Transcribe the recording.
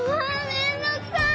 めんどうくさい！